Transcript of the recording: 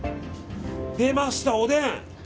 出ました、おでん！